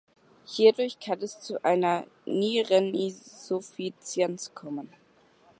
Hierdurch kann es zu einer Niereninsuffizienz kommen.